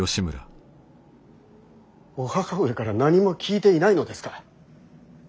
お母上から何も聞いていないのですか。